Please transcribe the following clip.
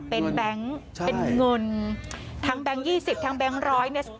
เป็นแบงค์เป็นเงินทั้งแบงค์๒๐ทั้งแก๊งร้อยเนี่ย